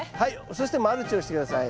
そしてマルチをして下さい。